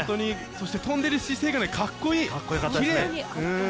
そして飛んでいる姿勢がかっこいい、きれい。